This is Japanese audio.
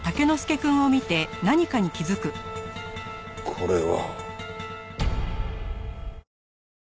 これは。